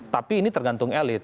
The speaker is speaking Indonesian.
tapi ini tergantung elit